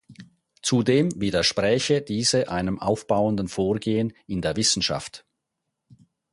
Zudem widerspräche diese einem ‚aufbauenden‘ Vorgehen in der Wissenschaft.